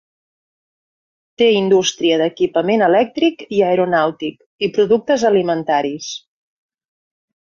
Té indústria d'equipament elèctric i aeronàutic i productes alimentaris.